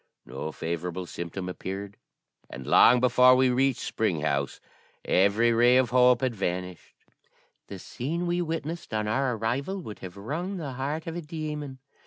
No favourable symptom appeared, and long before we reached Spring House every ray of hope had vanished. The scene we witnessed on our arrival would have wrung the heart of a demon.